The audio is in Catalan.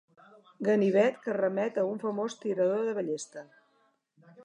Ganivet que remet a un famós tirador de ballesta.